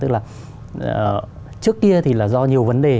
tức là trước kia thì là do nhiều vấn đề